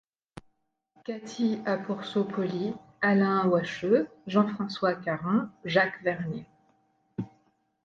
Cathy Apourceau-Poly, Alain Wacheux, Jean-François Caron, Jacques Vernier.